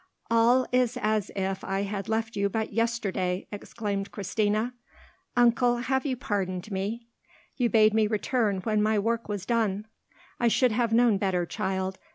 "All is as if I had left you but yesterday!" exclaimed Christina. "Uncle, have you pardoned me? You bade me return when my work was done." "I should have known better, child.